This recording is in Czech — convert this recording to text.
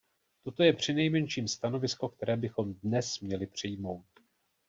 Toto je přinejmenším stanovisko, které bychom dnes měli přijmout.